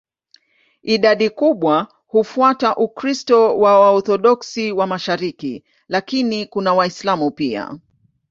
Idadi kubwa hufuata Ukristo wa Waorthodoksi wa mashariki, lakini kuna Waislamu pia.